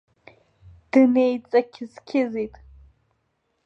Днеиҵақьыз-қьызит.